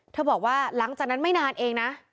บอกว่าหลังจากนั้นไม่นานเองนะ